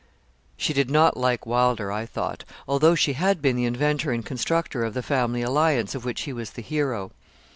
She did not like Wylder, I thought, although she had been the inventor and constructor of the family alliance of which he was the hero.